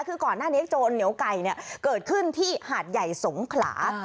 คือก่อนหน้านี้โจรเหนียวไก่เกิดขึ้นที่หาดใหญ่สงขลา